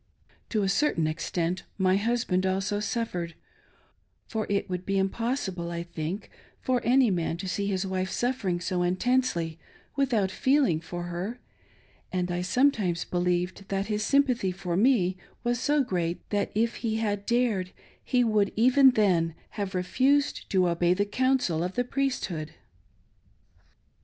To a certain extent, ray husband also suffered, for it would be im possible, I think, for any man to see his wife sufEering so intensely without feeling for her, and I sometimes believed that his sympathy for me was so great, that, if he had dared, he would even then have refused to obey the counsel of the Priesthood.